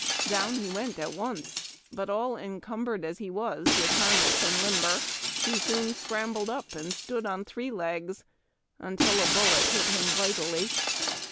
Down he went at once, but all encumbered as he was with liarness and limber, he soon scrambled up and stood on three legs until a bullet hit him vitally.